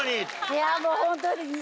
いやもうホントに。